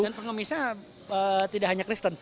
dan pengemisnya tidak hanya kristen